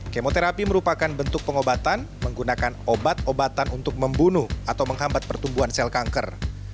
kemoterapi merupakan bentuk pengobatan menggunakan obat obatan untuk membunuh atau menghambat pertumbuhan sel kanker